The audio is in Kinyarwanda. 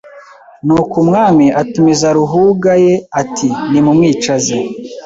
Nuko umwami atumiza Ruhuga ye ati nimumwicaze